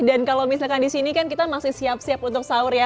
dan kalau misalkan di sini kan kita masih siap siap untuk sahur ya